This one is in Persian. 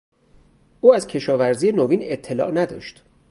او از کشاورزی نوین اطلاع نداشت.